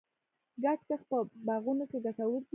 ګډ کښت په باغونو کې ګټور دی.